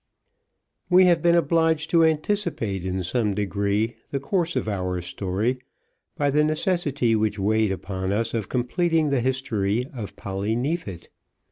We have been obliged to anticipate in some degree the course of our story by the necessity which weighed upon us of completing the history of Polly Neefit.